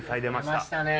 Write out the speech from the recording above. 出ました